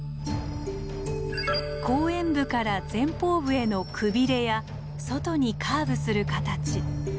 後円部から前方部へのくびれや外にカーブする形。